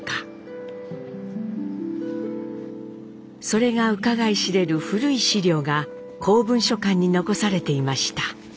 それがうかがい知れる古い資料が公文書館に残されていました。